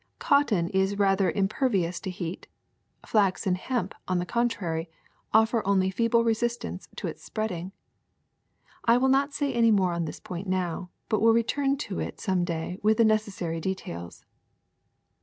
Cotton is rather im pervious to heat; flax and hemp, on the contrary, offer only feeble resistance to its spreading. I will not say any more on this point now, but will return to it some day with the necessary details.